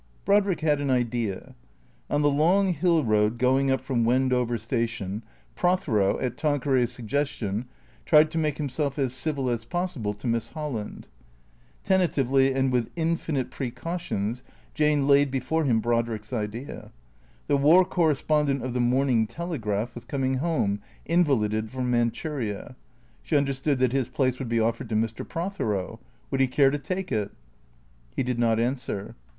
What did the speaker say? Brodriek had an idea. On the long hill road going up from Wendover station Prothero, at Tanqueray's suggestion, tried to make himself as civil as possible to Miss Holland, Tentatively and with infinite precautions Jane laid before him Brodrick's idea. The War Correspondent of the " Morning Telegraph " was coming home invalided from Manchuria, She understood that his place would be offered to Mr. Prothero. Would he care to take it? He did not answer.